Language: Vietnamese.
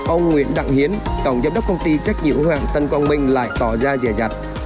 ông nguyễn đặng hiến tổng giám đốc công ty trách nhiệm của hoàng tân quang minh lại tỏ ra rẻ rặt